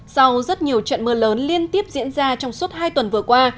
sau rất nhiều trận mưa lớn liên tiếp diễn ra trong suốt hai tuần vừa qua